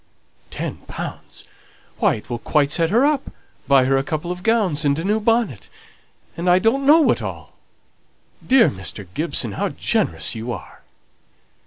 Ten pounds! Why, it will quite set her up, buy her a couple of gowns and a new bonnet, and I don't know what all! Dear Mr. Gibson, how generous you are!"